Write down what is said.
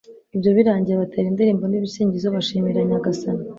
ibyo birangiye, batera indirimbo n'ibisingizo bashimira nyagasani